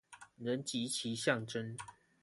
人及其象徵